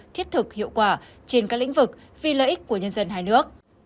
thiết thực hiệu quả trên các lĩnh vực vì lợi ích của nhân dân hai nước